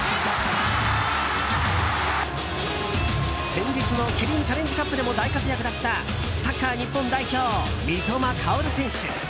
先日のキリンチャレンジカップでも大活躍だったサッカー日本代表、三笘薫選手。